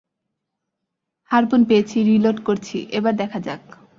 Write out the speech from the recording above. Harpoon পেয়েছি, reload করছি, এবার দেখা যাক।